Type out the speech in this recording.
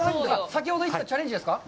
先ほど言ってたチャレンジですか？